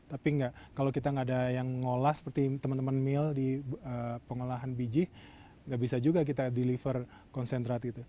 tapi tidak kalau kita tidak ada yang mengolah seperti teman teman